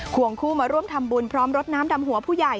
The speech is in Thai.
วงคู่มาร่วมทำบุญพร้อมรดน้ำดำหัวผู้ใหญ่